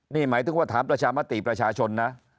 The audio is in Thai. นี่หมายถึงว่าถามประชามติประชาชนนะ